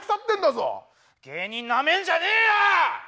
芸人なめんじゃねえよ！